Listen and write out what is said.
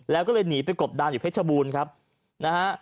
แล้วก็เลยหนีไปกบดานอยู่เพชรบูรณ์ครับนะฮะ